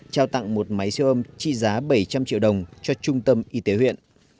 trao tặng một máy siêu âm trị giá bảy trăm linh triệu đồng cho trung tâm y tế huyện